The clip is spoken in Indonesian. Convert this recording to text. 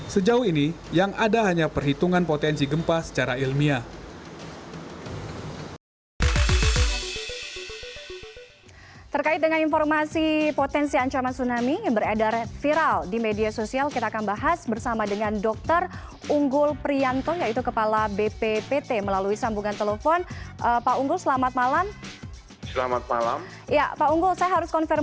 sejauh ini yang ada hanya perhitungan potensi gempa secara ilmiah